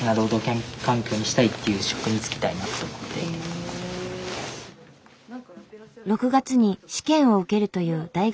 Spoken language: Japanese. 労働環境を６月に試験を受けるという大学３年生。